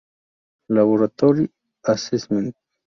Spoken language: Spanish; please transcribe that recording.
Laboratory assessment.